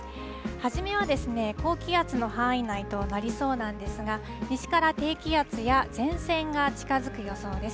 初めは高気圧の範囲内となりそうなんですが、西から低気圧や前線が近づく予想です。